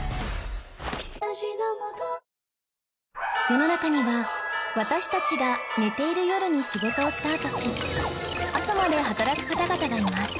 世の中には私たちが寝ている夜に仕事をスタートし朝まで働く方々がいます